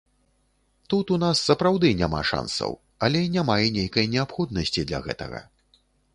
Тут у нас, сапраўды, няма шансаў, але няма і нейкай неабходнасці для гэтага.